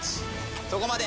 そこまで！